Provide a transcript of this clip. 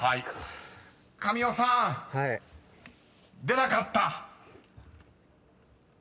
［神尾さん出なかった？］